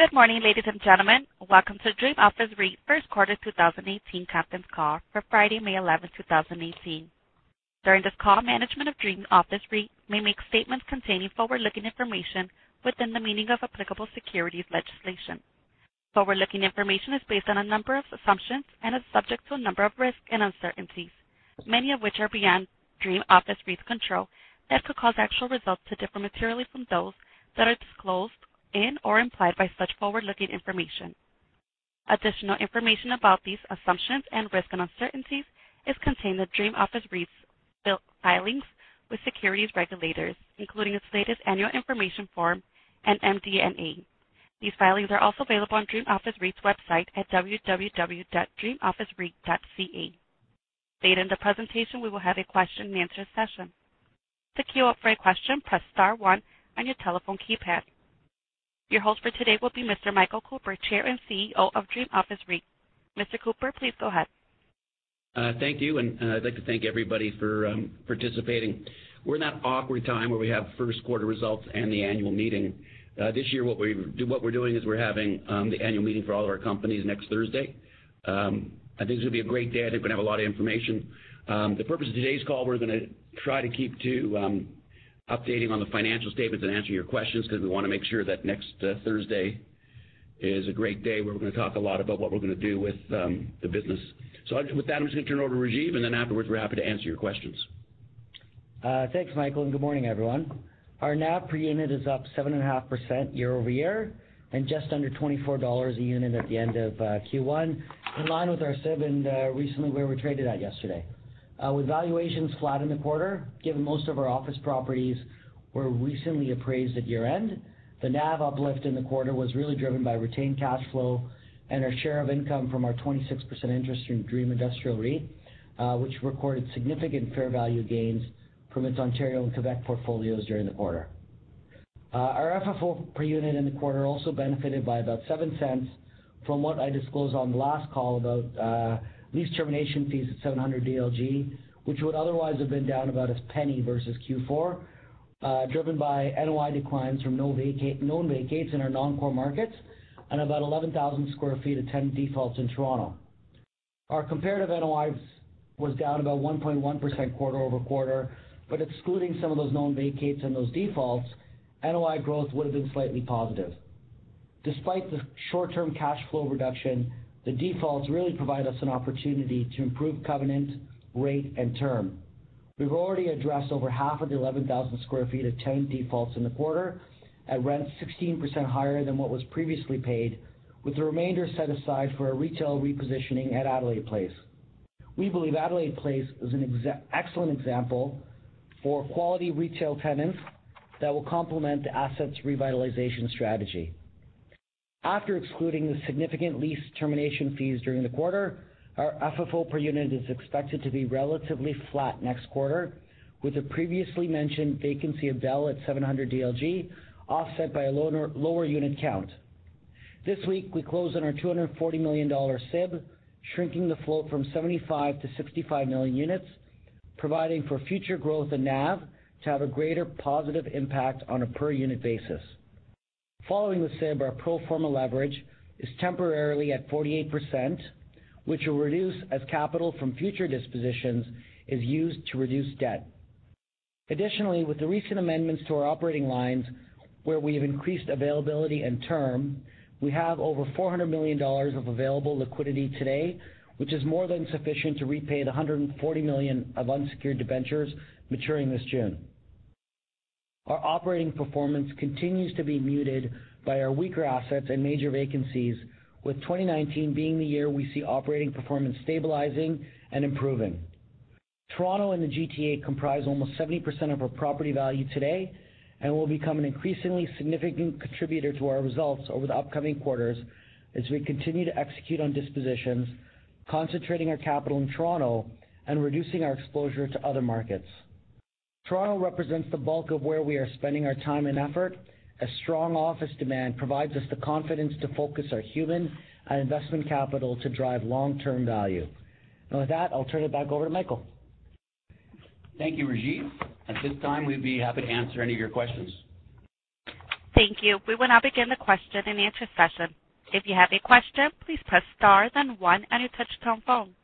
Good morning, ladies and gentlemen. Welcome to Dream Office REIT First Quarter 2018 Earnings Call for Friday, May 11, 2018. During this call, management of Dream Office REIT may make statements containing forward-looking information within the meaning of applicable securities legislation. Forward-looking information is based on a number of assumptions and is subject to a number of risks and uncertainties, many of which are beyond Dream Office REIT's control, that could cause actual results to differ materially from those that are disclosed in or implied by such forward-looking information. Additional information about these assumptions and risks and uncertainties is contained in Dream Office REIT's filings with securities regulators, including its latest annual information form and MD&A. These filings are also available on Dream Office REIT's website at www.dreamofficereit.ca. Late in the presentation, we will have a question and answer session. To queue up for a question, press star one on your telephone keypad. Your host for today will be Mr. Michael Cooper, Chair and CEO of Dream Office REIT. Mr. Cooper, please go ahead. Thank you. I'd like to thank everybody for participating. We're in that awkward time where we have first-quarter results and the annual meeting. This year, what we're doing is we're having the annual meeting for all of our companies next Thursday. I think it's going to be a great day. I think we're going to have a lot of information. The purpose of today's call, we're going to try to keep to updating on the financial statements and answering your questions because we want to make sure that next Thursday is a great day, where we're going to talk a lot about what we're going to do with the business. With that, I'm just going to turn it over to Rajeev, and then afterwards, we're happy to answer your questions. Thanks, Michael. Good morning, everyone. Our NAV per unit is up 7.5% year-over-year and just under 24 dollars a unit at the end of Q1, in line with our SIB and recently where we traded at yesterday. With valuations flat in the quarter, given most of our office properties were recently appraised at year-end, the NAV uplift in the quarter was really driven by retained cash flow and our share of income from our 26% interest in Dream Industrial REIT, which recorded significant fair value gains from its Ontario and Quebec portfolios during the quarter. Our FFO per unit in the quarter also benefited by about 0.07 from what I disclosed on the last call about lease termination fees at 700 DLG, which would otherwise have been down about CAD 0.01 versus Q4, driven by NOI declines from known vacates in our non-core markets and about 11,000 sq ft of tenant defaults in Toronto. Our comparative NOIs were down about 1.1% quarter-over-quarter, excluding some of those known vacates and those defaults, NOI growth would have been slightly positive. Despite the short-term cash flow reduction, the defaults really provide us an opportunity to improve covenant, rate, and term. We've already addressed over half of the 11,000 sq ft of tenant defaults in the quarter at rents 16% higher than what was previously paid, with the remainder set aside for a retail repositioning at Adelaide Place. We believe Adelaide Place is an excellent example for quality retail tenants that will complement the asset's revitalization strategy. After excluding the significant lease termination fees during the quarter, our FFO per unit is expected to be relatively flat next quarter, with the previously mentioned vacancy of Bell at 700 DLG offset by a lower unit count. This week, we closed on our 240 million dollar SIB, shrinking the float from 75 to 65 million units, providing for future growth in NAV to have a greater positive impact on a per-unit basis. Following the SIB, our pro forma leverage is temporarily at 48%, which will reduce as capital from future dispositions is used to reduce debt. With the recent amendments to our operating lines, where we have increased availability and term, we have over 400 million dollars of available liquidity today. Which is more than sufficient to repay the 140 million of unsecured debentures maturing this June. Our operating performance continues to be muted by our weaker assets and major vacancies, with 2019 being the year we see operating performance stabilizing and improving. Toronto and the GTA comprise almost 70% of our property value today and will become an increasingly significant contributor to our results over the upcoming quarters as we continue to execute on dispositions, concentrating our capital in Toronto and reducing our exposure to other markets. Toronto represents the bulk of where we are spending our time and effort, as strong office demand provides us the confidence to focus our human and investment capital to drive long-term value. With that, I'll turn it back over to Michael. Thank you, Rajeev At this time, we'd be happy to answer any of your questions. Thank you. We will now begin the question and answer session. If you have a question, please press star then one on your touch-tone phone.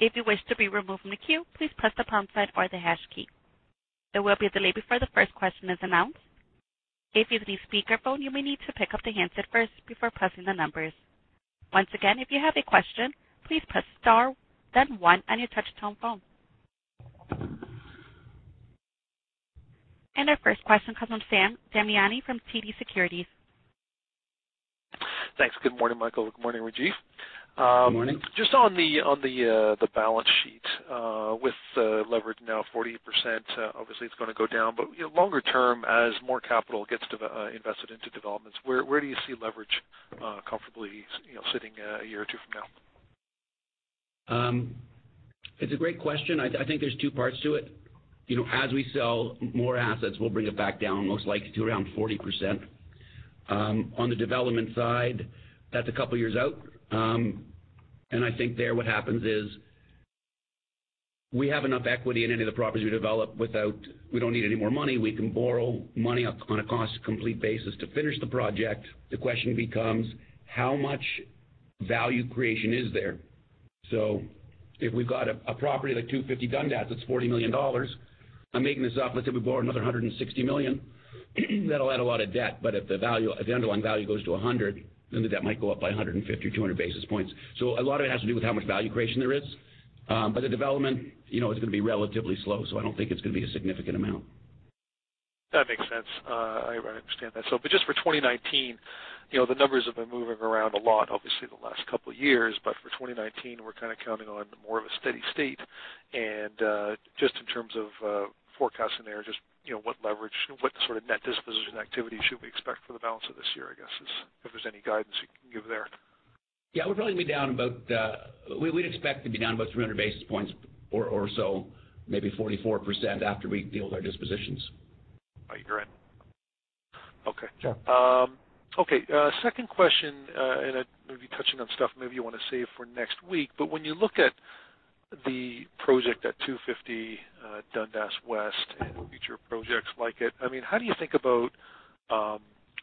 If you wish to be removed from the queue, please press the pound sign or the hash key. There will be a delay before the first question is announced. If you're on a speakerphone, you may need to pick up the handset first before pressing the numbers. Once again, if you have a question, please press star then one on your touch-tone phone. Our first question comes from Sam Damiani from TD Securities. Thanks. Good morning, Michael. Good morning, Rajeev. Morning. Just on the balance sheet. With leverage now 48%, obviously it's going to go down, but longer term, as more capital gets invested into developments, where do you see leverage comfortably sitting a year or two from now? It's a great question. I think there's two parts to it. As we sell more assets, we'll bring it back down, most likely to around 40%. On the development side, that's a couple of years out. I think there what happens is we have enough equity in any of the properties we develop. We don't need any more money. We can borrow money on a cost-complete basis to finish the project. The question becomes how much value creation is there? If we've got a property like 250 Dundas, that's 40 million dollars. I'm making this up. Let's say we borrow another 160 million. That'll add a lot of debt, but if the underlying value goes to 100 million, then the debt might go up by 150 or 200 basis points. A lot of it has to do with how much value creation there is. The development is going to be relatively slow, so I don't think it's going to be a significant amount. That makes sense. I understand that. Just for 2019, the numbers have been moving around a lot, obviously, the last couple of years. For 2019, we're kind of counting on more of a steady state. Just in terms of forecasting there, just what leverage, what sort of net disposition activity should we expect for the balance of this year, I guess, if there's any guidance you can give there? Yeah. We'd expect to be down about 300 basis points or so, maybe 44% after we deal with our dispositions. I agree. Okay. Sure. Second question. I may be touching on stuff maybe you want to save for next week, but when you look at the project at 250 Dundas West and future projects like it, how do you think about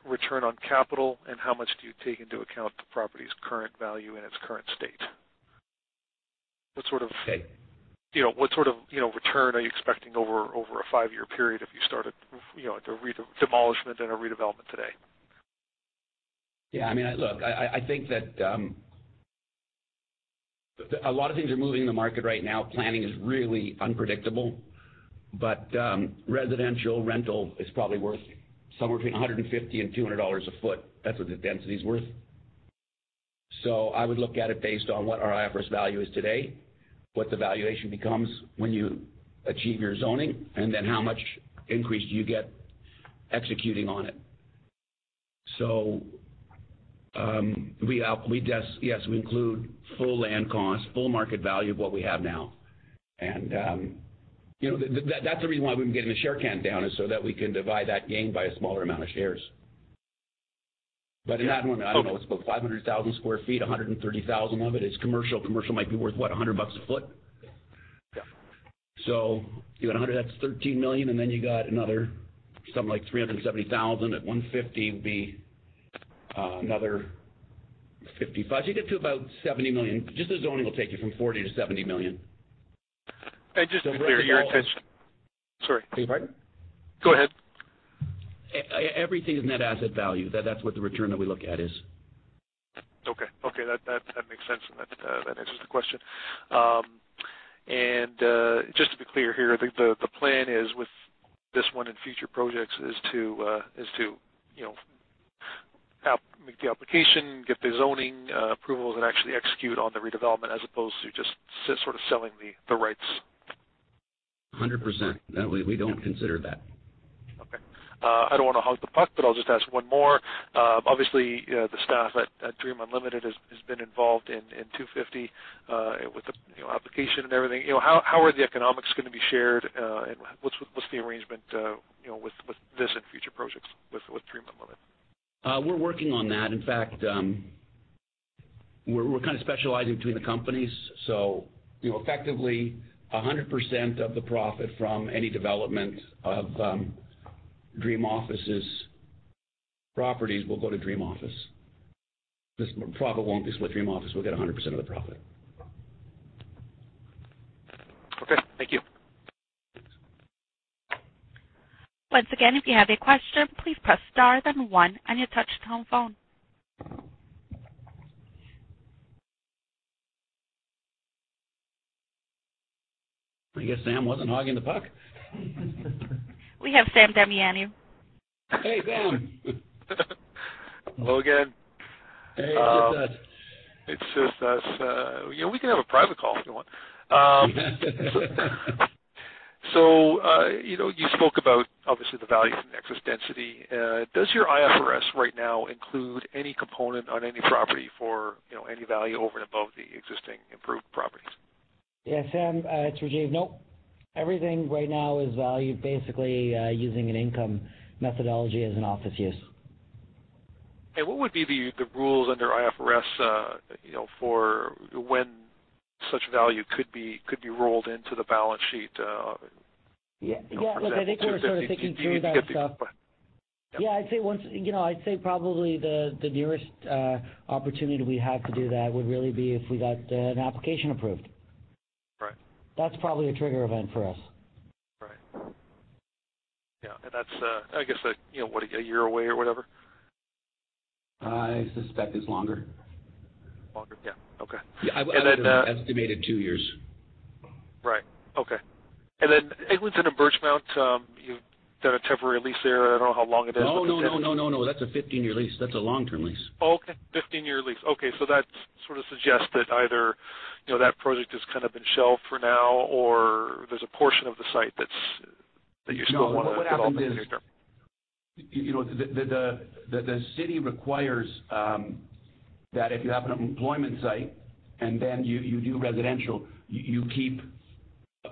return on capital, and how much do you take into account the property's current value in its current state? Okay. What sort of return are you expecting over a five-year period if you started the demolishment and a redevelopment today? Yeah. Look, I think that a lot of things are moving in the market right now. Planning is really unpredictable. Residential rental is probably worth somewhere between 150 and 200 dollars a foot. That's what the density's worth. I would look at it based on what our IFRS value is today, what the valuation becomes when you achieve your zoning, and then how much increase do you get executing on it. Yes, we include full land cost, full market value of what we have now. That's the reason why we've been getting the share count down, is so that we can divide that gain by a smaller amount of shares. In that one, I don't know, it's about 500,000 sq ft, 130,000 of it is commercial. Commercial might be worth, what, 100 bucks a foot? Yeah. You got 100, that's 13 million. You got another something like 370,000 at 150 would be another 55 million. You get to about 70 million. Just the zoning will take you from 40 million to 70 million. just to be clear, your intention- we're all- Sorry. Beg your pardon? Go ahead. Everything is net asset value. That's what the return that we look at is. Okay. That makes sense, and that answers the question. Just to be clear here, the plan is with this one and future projects is to make the application, get the zoning approvals, and actually execute on the redevelopment, as opposed to just sort of selling the rights. 100%. No, we don't consider that. Okay. I don't want to hog the puck, I'll just ask one more. Obviously, the staff at Dream Unlimited has been involved in 250 with the application and everything. How are the economics going to be shared? What's the arrangement with this and future projects with Dream Unlimited? We're working on that. In fact, we're kind of specializing between the companies. Effectively, 100% of the profit from any development of Dream Office's properties will go to Dream Office. The profit won't be split. Dream Office will get 100% of the profit. Okay. Thank you. Once again, if you have a question, please press star then one on your touchtone phone. I guess Sam wasn't hogging the puck. We have Sam Damiani. Hey, Sam. Hello again. Hey. What's up? It's just us. We can have a private call if you want. You spoke about, obviously, the value from the excess density. Does your IFRS right now include any component on any property for any value over and above the existing improved properties? Yeah, Sam. It's Rajeev. No. Everything right now is valued basically using an income methodology as an office use. What would be the rules under IFRS for when such value could be rolled into the balance sheet? For example, [250 CP]. Yeah. Look, I think we're sort of thinking through that stuff. Yeah. Yeah. I'd say probably the nearest opportunity we have to do that would really be if we got an application approved. Right. That's probably a trigger event for us. Right. Yeah. That's, I guess, what, a year away or whatever? I suspect it's longer. Longer? Yeah. Okay. Yeah. I would have estimated two years. Right. Okay. Eglinton and Birchmount, you've done a temporary lease there. I don't know how long it is. No. That's a 15-year lease. That's a long-term lease. Oh, okay. 15-year lease. Okay. That sort of suggests that either that project has kind of been shelved for now, or there's a portion of the site that you still want to develop in the near term. No. What happened is, the city requires that if you have an employment site and then you do residential, you keep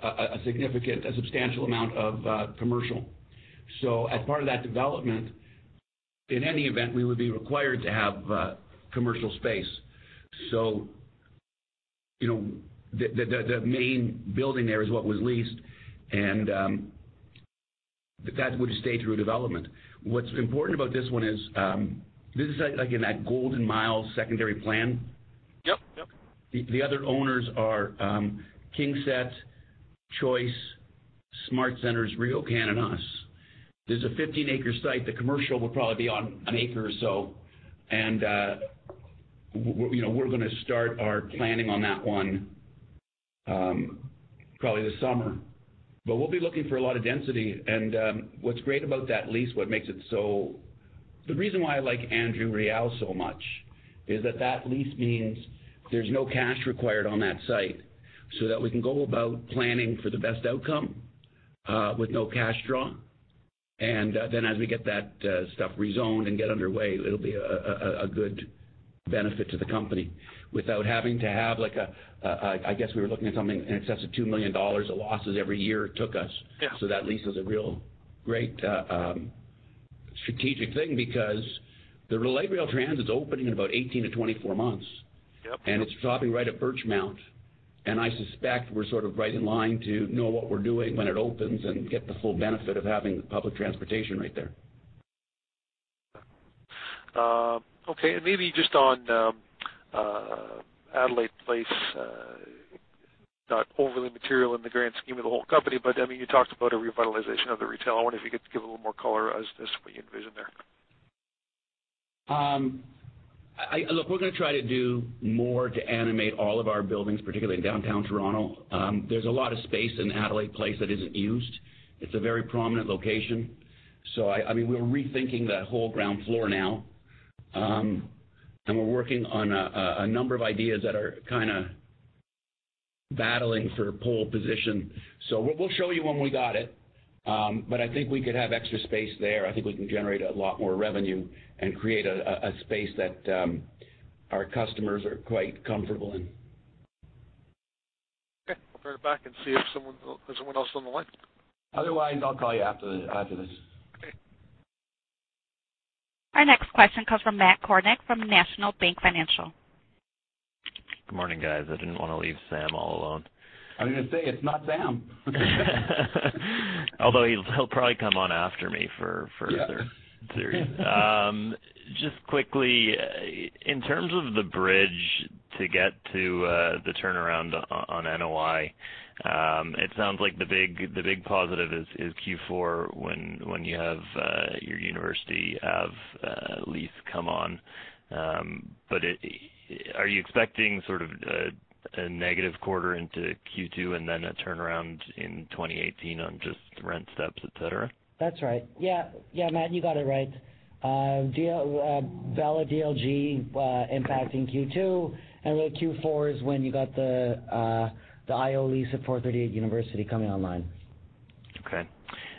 a significant, a substantial amount of commercial. In any event, we would be required to have commercial space. The main building there is what was leased, and that would stay through development. What's important about this one is, this is in that Golden Mile Secondary Plan. Yep. The other owners are KingSett, Choice, SmartCentres, RioCan, and us. There's a 15-acre site. The commercial will probably be on an acre or so, and we're going to start our planning on that one probably this summer. We'll be looking for a lot of density, and what's great about that lease, the reason why I like Andrew Real so much is that lease means there's no cash required on that site, we can go about planning for the best outcome with no cash drawn. As we get that stuff rezoned and get underway, it'll be a good benefit to the company without having to have I guess we were looking at something in excess of 2 million dollars of losses every year it took us. Yeah. That lease is a real great strategic thing because the light rail trans is opening in about 18 to 24 months. Yep. It's dropping right at Birchmount, and I suspect we're sort of right in line to know what we're doing when it opens and get the full benefit of having public transportation right there. Okay. Maybe just on Adelaide Place, not overly material in the grand scheme of the whole company, but you talked about a revitalization of the retail. I wonder if you could give a little more color as to what you envision there. Look, we're going to try to do more to animate all of our buildings, particularly in Downtown Toronto. There's a lot of space in Adelaide Place that isn't used. It's a very prominent location. We're rethinking the whole ground floor now. We're working on a number of ideas that are kind of battling for pole position. We'll show you when we got it. I think we could have extra space there. I think we can generate a lot more revenue and create a space that our customers are quite comfortable in. Okay. I'll bring it back and see if there's someone else on the line. Otherwise, I'll call you after this. Okay. Our next question comes from Matt Kornack from National Bank Financial. Good morning, guys. I didn't want to leave Sam all alone. I was going to say, it's not Sam. Although he'll probably come on after me. Yeah serious. Just quickly, in terms of the bridge to get to the turnaround on NOI, it sounds like the big positive is Q4 when you have your University Ave. lease come on. Are you expecting sort of a negative quarter into Q2 and then a turnaround in 2018 on just rent steps, et cetera? That's right. Yeah, Matt, you got it right. 700 DLG impacting Q2, really Q4 is when you got the IO lease at 438 University coming online. Okay.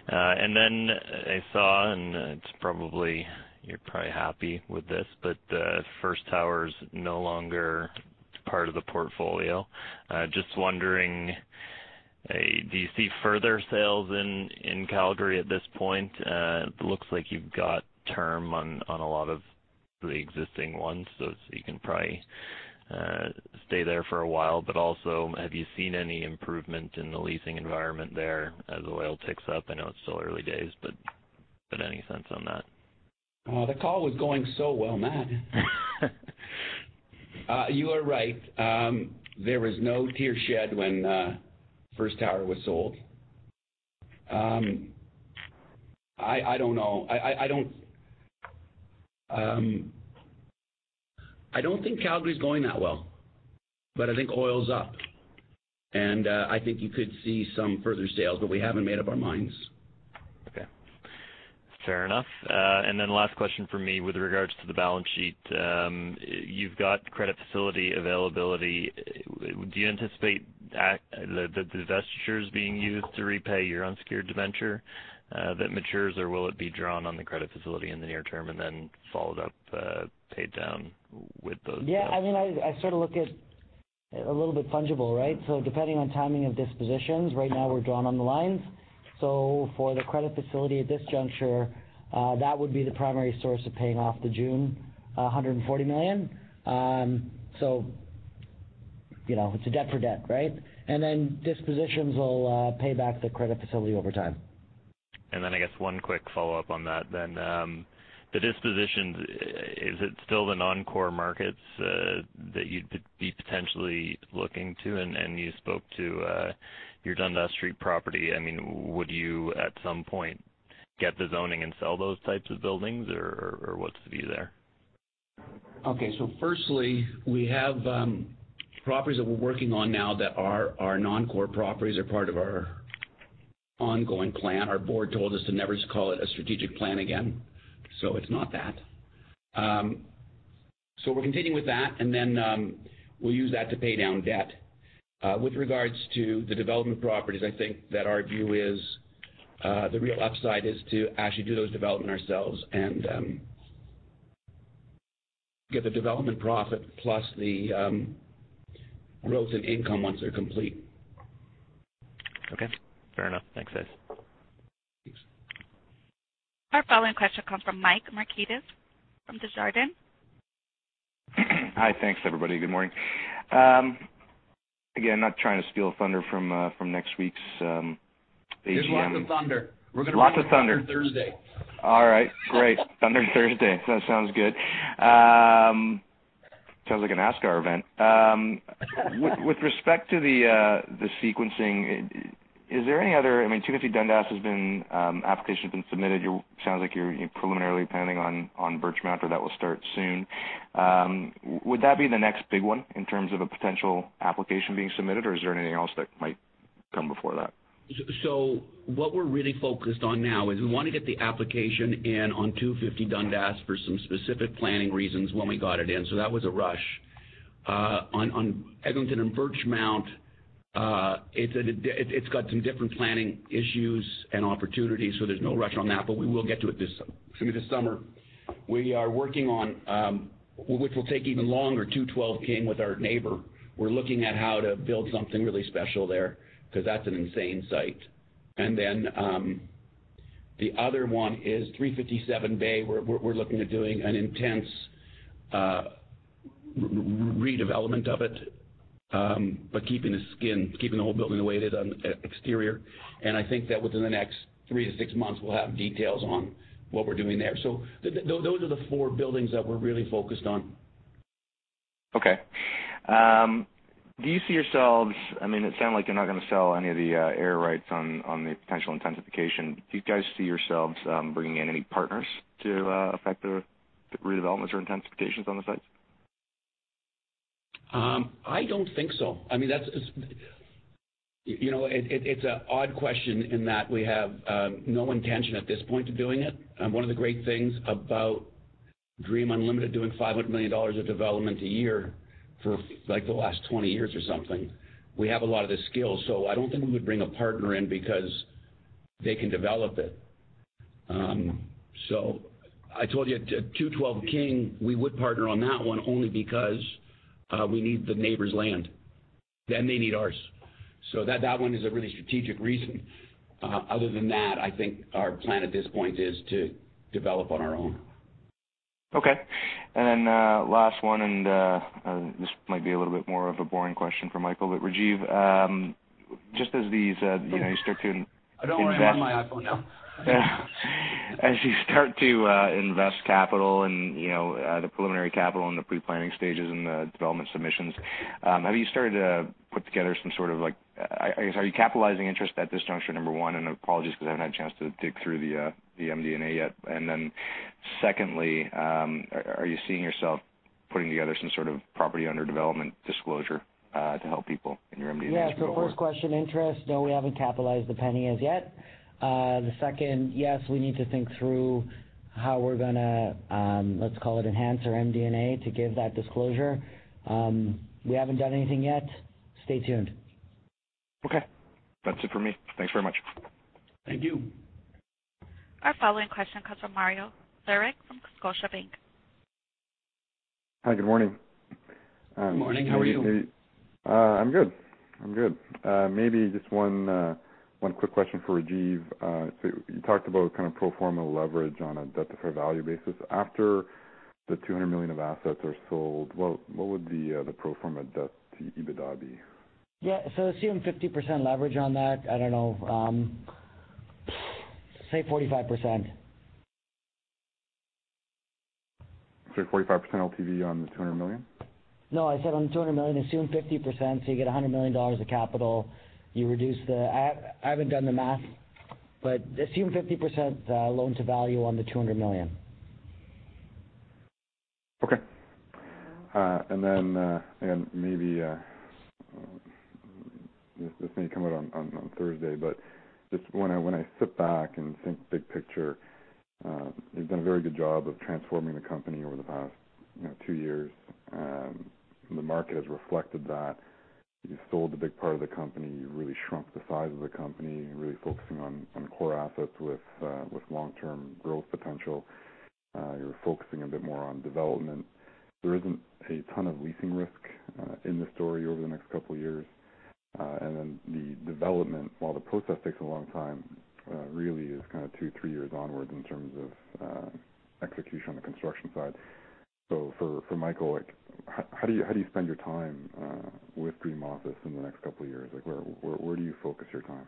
Then I saw, and you're probably happy with this, but the First Tower's no longer part of the portfolio. Just wondering, do you see further sales in Calgary at this point? It looks like you've got term on a lot of the existing ones, so you can probably stay there for a while. Also, have you seen any improvement in the leasing environment there as oil ticks up? I know it's still early days, but any sense on that? The call was going so well, Matt. You are right. There was no tear shed when First Tower was sold. I don't know. I don't think Calgary's going that well, but I think oil's up. And I think you could see some further sales, but we haven't made up our minds. Okay. Fair enough. Last question from me with regards to the balance sheet. You've got credit facility availability. Do you anticipate the divestitures being used to repay your unsecured debenture that matures, or will it be drawn on the credit facility in the near term and then followed up, paid down with those sales? Yeah, I sort of look at it a little bit fungible, right? Depending on timing of dispositions, right now we're drawing on the lines. For the credit facility at this juncture, that would be the primary source of paying off the June 140 million. It's a debt for debt, right? Dispositions will pay back the credit facility over time. I guess one quick follow-up on that then. The dispositions, is it still the non-core markets that you'd be potentially looking to? And you spoke to your Dundas Street property. Would you at some point get the zoning and sell those types of buildings, or what's the view there? Firstly, we have properties that we're working on now that are our non-core properties. They're part of our ongoing plan. Our board told us to never call it a strategic plan again. It's not that. We're continuing with that, and then we'll use that to pay down debt. With regards to the development properties, I think that our view is, the real upside is to actually do those development ourselves and get the development profit plus the rents and income once they're complete. Okay, fair enough. Thanks, guys. Thanks. Our following question comes from Mike Markidis from Desjardins. Hi. Thanks, everybody. Good morning. Again, not trying to steal thunder from next week's AGM. There's lots of thunder. Lots of thunder. We're going to bring the thunder Thursday. All right, great. Thunder Thursday. That sounds good. Sounds like a NASCAR event. With respect to the sequencing, I mean, 250 Dundas application's been submitted. It sounds like you're preliminarily planning on Birchmount, or that will start soon. Would that be the next big one in terms of a potential application being submitted, or is there anything else that might come before that? What we're really focused on now is we want to get the application in on 250 Dundas for some specific planning reasons when we got it in, so that was a rush. On Eglinton and Birchmount, it's got some different planning issues and opportunities, so there's no rush on that, but we will get to it this summer. We are working on, which will take even longer, 212 King with our neighbor. We're looking at how to build something really special there, because that's an insane site. The other one is 357 Bay, where we're looking at doing an intense redevelopment of it, but keeping the skin, keeping the whole building the way it is on the exterior. I think that within the next three to six months, we'll have details on what we're doing there. Those are the four buildings that we're really focused on. Okay. Do you see yourselves, I mean, it sounds like you're not going to sell any of the air rights on the potential intensification. Do you guys see yourselves bringing in any partners to affect the redevelopments or intensifications on the sites? I don't think so. It's an odd question in that we have no intention at this point to doing it. One of the great things about Dream Unlimited doing 500 million dollars of development a year for the last 20 years or something, we have a lot of the skills. I don't think we would bring a partner in because they can develop it. I told you, 212 King, we would partner on that one only because we need the neighbor's land. They need ours. That one is a really strategic reason. Other than that, I think our plan at this point is to develop on our own. Okay. Last one, and this might be a little bit more of a boring question for Michael, but Rajeev. Don't worry. I'm on my iPhone now. As you start to invest capital and the preliminary capital in the pre-planning stages and the development submissions, are you capitalizing interest at this juncture, number one? Apologies because I haven't had a chance to dig through the MD&A yet. Secondly, are you seeing yourself putting together some sort of property under development disclosure to help people in your MD&A going forward? Yeah. First question, interest, no, we haven't capitalized a penny as yet. The second, yes, we need to think through how we're going to, let's call it enhance our MD&A to give that disclosure. We haven't done anything yet. Stay tuned. Okay. That's it for me. Thanks very much. Thank you. Our following question comes from Mario Saric from Scotiabank. Hi, good morning. Good morning. How are you? I'm good. Maybe just one quick question for Rajeev. You talked about kind of pro forma leverage on a debt-to-fair value basis. After the 200 million of assets are sold, what would the pro forma debt to EBITDA be? Yeah. Assume 50% leverage on that. I don't know. Say 45%. Say 45% LTV on the 200 million? I said on the 200 million, assume 50%, so you get 100 million dollars of capital. I haven't done the math, but assume 50% loan to value on the CAD 200 million. Okay. Maybe, this may come out on Thursday, but just when I sit back and think big picture, you've done a very good job of transforming the company over the past two years. The market has reflected that. You sold a big part of the company. You really shrunk the size of the company, really focusing on core assets with long-term growth potential. You're focusing a bit more on development. There isn't a ton of leasing risk in the story over the next couple of years. The development, while the process takes a long time, really is kind of two, three years onwards in terms of execution on the construction side. For Michael, how do you spend your time with Dream Office in the next couple of years? Where do you focus your time?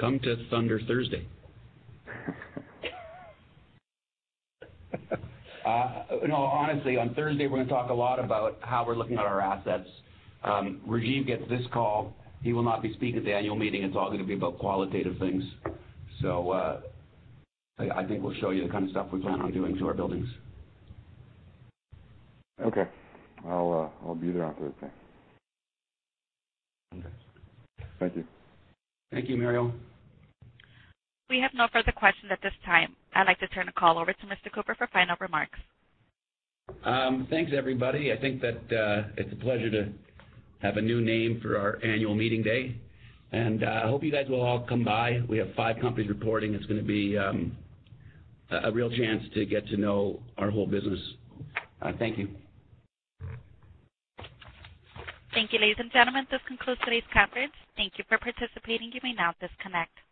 Come to Thunder Thursday. Honestly, on Thursday, we're going to talk a lot about how we're looking at our assets. Rajeev gets this call. He will not be speaking at the annual meeting. It's all going to be about qualitative things. I think we'll show you the kind of stuff we plan on doing to our buildings. Okay. I'll be there on Thursday. Okay. Thank you. Thank you, Mario. We have no further questions at this time. I'd like to turn the call over to Mr. Cooper for final remarks. Thanks, everybody. I think that it's a pleasure to have a new name for our annual meeting day, and I hope you guys will all come by. We have five companies reporting. It's going to be a real chance to get to know our whole business. Thank you. Thank you, ladies and gentlemen. This concludes today's conference. Thank you for participating. You may now disconnect.